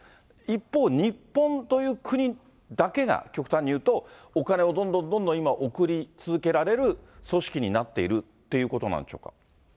一方、日本という国だけが極端に言うと、お金をどんどんどんどん今、送り続けられる組織になっているっていうことなんでしょうか。